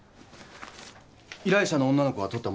依頼者の女の子が撮ったものです。